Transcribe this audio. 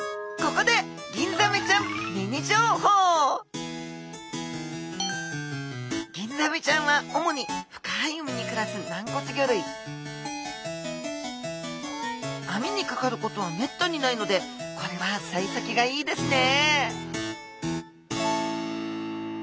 ここでギンザメちゃんは主に網にかかることはめったにないのでこれはさい先がいいですね